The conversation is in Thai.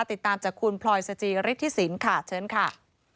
ติดตามจากคุณพลอยสจิฤทธิสินค่ะเชิญค่ะ